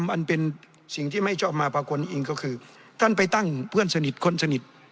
มันเป็นสิ่งที่ไม่ชอบมาพากลอิงก็คือท่านไปตั้งเพื่อนสนิทคนสนิท